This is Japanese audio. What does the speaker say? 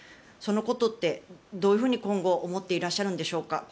そのことってどういうふうに今後思っていらっしゃるんでしょうか。